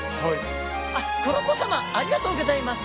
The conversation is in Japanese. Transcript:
あっ黒子様ありがとうギョざいます。